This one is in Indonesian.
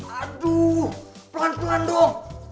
aduh pelan pelan dong